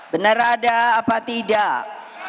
benar ada apa tidak